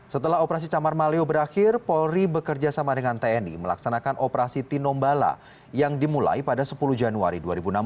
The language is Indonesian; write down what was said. setelah operasi camar malio berakhir polri bekerja sama dengan tni melaksanakan operasi tinombala yang dimulai pada sepuluh januari dua ribu enam belas